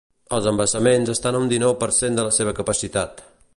Els embassaments estan a un dinou per cent de la seva capacitat.